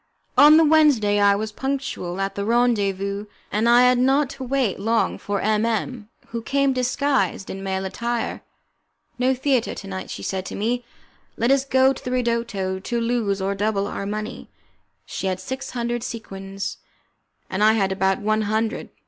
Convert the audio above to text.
On the Wednesday I was punctual at the rendezvous, and I had not to wait long for M M , who came disguised in male attire. "No theatre to night," she said to me; "let us go to the 'ridotto', to lose or double our money." She had six hundred sequins. I had about one hundred.